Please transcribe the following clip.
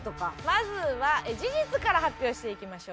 まずは事実から発表していきましょう。